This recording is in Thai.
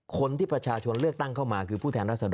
คนที่ประชาชนเลือกตั้งเข้ามาคือผู้แทนรัศดร